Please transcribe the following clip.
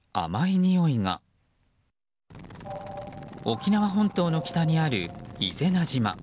沖縄本島の北にある、伊是名島。